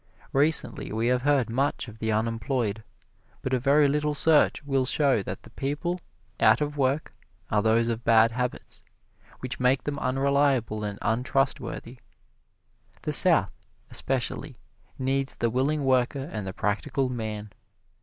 Recently we have heard much of the unemployed, but a very little search will show that the people out of work are those of bad habits, which make them unreliable and untrustworthy. The South, especially, needs the willing worker and the practical man.